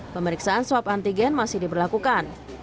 pemeriksaan swab antigen masih diberlakukan